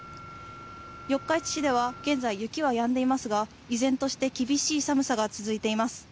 四日市市では現在、雪はやんでいますが、依然として厳しい寒さが続いています。